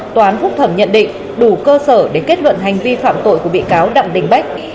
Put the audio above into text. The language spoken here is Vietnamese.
tòa án phúc thẩm nhận định đủ cơ sở để kết luận hành vi phạm tội của bị cáo đặng đình bách